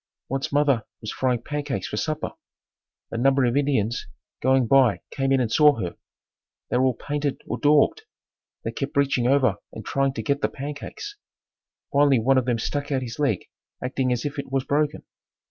Once mother was frying pancakes for supper. A number of Indians going by came in and saw her. They were all painted or daubed. They kept reaching over and trying to get the pancakes. Finally one of them stuck out his leg acting as if it was broken.